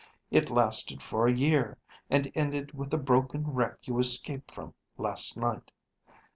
It lasted for a year, and ended with the broken wreck you escaped from last night.